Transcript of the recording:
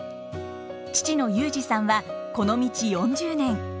父の祐自さんはこの道４０年。